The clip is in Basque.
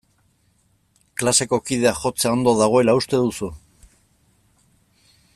Klaseko kideak jotzea ondo dagoela uste duzu?